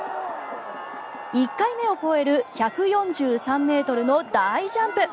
１回目を超える１４３ｍの大ジャンプ。